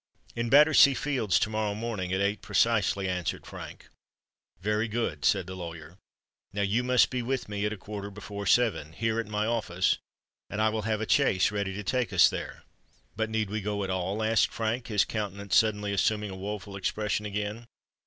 "In Battersea Fields, to morrow morning, at eight precisely," answered Frank. "Very good," said the lawyer. "Now, you must be with me at a quarter before seven—here, at my office; and I will have a chaise ready to take us there." "But need we go at all?" asked Frank, his countenance suddenly assuming a woeful expression again.